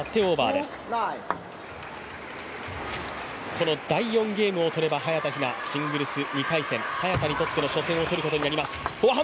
この第４ゲームを取れば早田ひな、シングルス２回戦早田にとっての初戦を取ることになります。